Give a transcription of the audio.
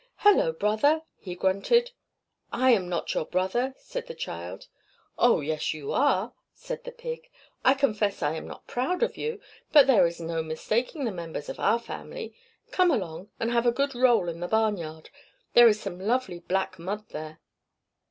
"Hallo, brother!" he grunted. "I am not your brother!" said the child. "Oh, yes, you are!" said the pig. "I confess I am not proud of you, but there is no mistaking the members of our family. Come along, and have a good roll in the barnyard! There is some lovely black mud there."